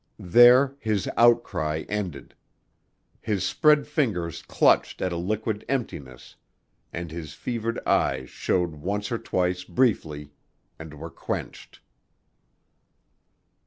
There his outcry ended. His spread fingers clutched at a liquid emptiness and his fevered eyes showed once or twice briefly and were quenched.